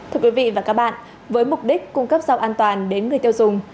thưa quý vị và các bạn với mục đích cung cấp rau an toàn đến người tiêu dùng